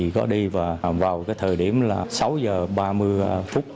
có đi vào thời điểm sáu h ba mươi phút